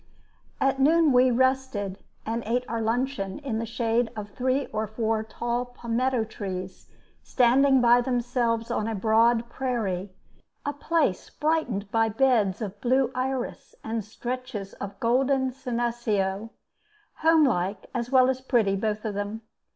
At noon we rested and ate our luncheon in the shade of three or four tall palmetto trees standing by themselves on a broad prairie, a place brightened by beds of blue iris and stretches of golden senecio, homelike as well as pretty, both of them.